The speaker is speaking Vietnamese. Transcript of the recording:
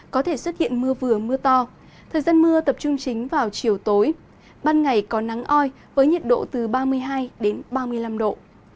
có thể xuất hiện mưa vừa mưa to thời gian mưa tập trung chính vào chiều tối ban ngày có nắng oi với nhiệt độ từ ba mươi hai ba mươi năm độ